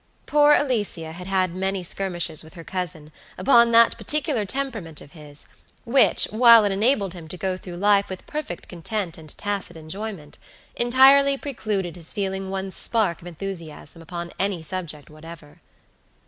Poor Alicia had had many skirmishes with her cousin upon that particular temperament of his, which, while it enabled him to go through life with perfect content and tacit enjoyment, entirely precluded his feeling one spark of enthusiasm upon any subject whatever.